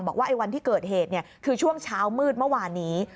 บอกว่าวันที่เกิดเหตุคือช่วงเช้ามืดเมื่อวานนี้